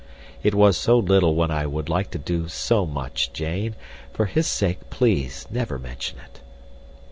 It was so little when I would like to do so much, Jane. For his sake, please, never mention it."